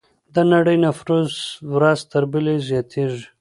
د نړۍ نفوس ورځ تر بلې زیاتېږي.